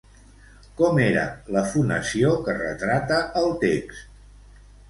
Com era la fonació que retrata el text?